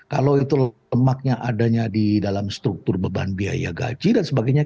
kalau itu lemaknya adanya di dalam struktur beban biaya gaji dan sebagainya